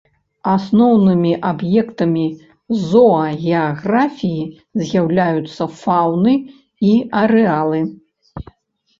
Асноўнымі аб'ектамі зоагеаграфіі з'яўляюцца фаўны і арэалы.